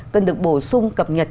cần được bổ sung cập nhật